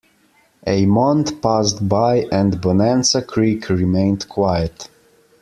A month passed by, and Bonanza Creek remained quiet.